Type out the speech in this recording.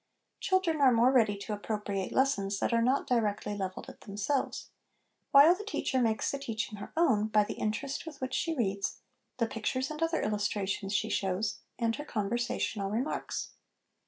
Children are more ready to appropriate lessons that are not directly levelled at themselves; while the teacher makes the teaching her own by the interest with which she reads, the pictures and other illustra tions she shows, and her conversational remarks.